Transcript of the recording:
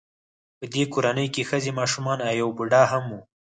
په دې کورنۍ کې ښځې ماشومان او یو بوډا هم و